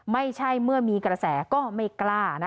ไม่ใช่เมื่อมีกระแสก็ไม่กล้า